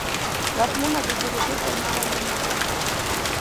له پله نه د تېرېدو پر مهال یې ما ته کتل.